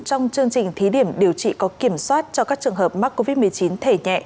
trong chương trình thí điểm điều trị có kiểm soát cho các trường hợp mắc covid một mươi chín thể nhẹ